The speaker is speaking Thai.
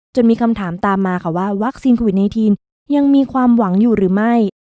จนมีคำถามตามมาค่ะว่าวัคซีนโควิด๑๙ยังมีความหวังอยู่หรือไม่